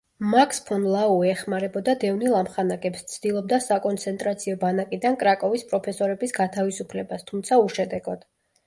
მაქს ფონ ლაუე ეხმარებოდა დევნილ ამხანაგებს, ცდილობდა საკონცენტრაციო ბანაკიდან კრაკოვის პროფესორების გათავისუფლებას, თუმცა უშედეგოდ.